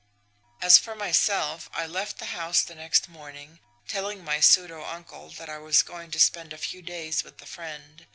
"As for myself, I left the house the next morning, telling my pseudo uncle that I was going to spend a few days with a friend.